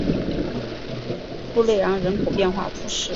布雷昂人口变化图示